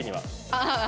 ああ。